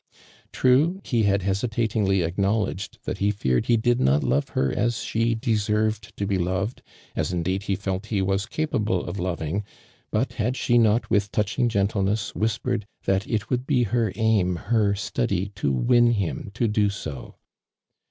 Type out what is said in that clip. True, he had hesitatingly acknowledged that ho feared he did not love her as she deserved to be loved, as indeed he felt he was capable of loving, but had she not with touching gentleness whispered that it would be her aim, her study to win him to do so.